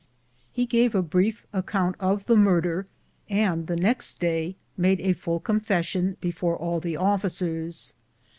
He gave a brief account of the murder, and the next day made a full confession before all the officers.